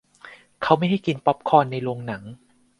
เขาไม่ให้กินป๊อปคอร์นในโรงหนัง